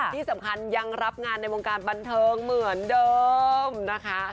ที่สำคัญยังรับงานในวงการบันเทิงเหมือนเดิมนะคะ